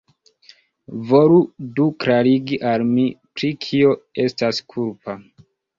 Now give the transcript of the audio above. Volu do klarigi al mi, pri kio li estas kulpa?